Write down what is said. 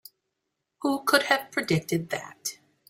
Who could have predicted that?